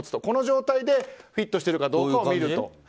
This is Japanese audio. この状態でフィットしてるかどうか見ると。